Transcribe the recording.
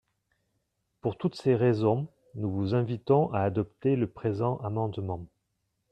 Pour toutes ces raisons, nous vous invitons à adopter le présent amendement.